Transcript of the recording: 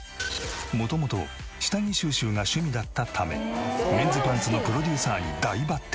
元々下着収集が趣味だったためメンズパンツのプロデューサーに大抜擢。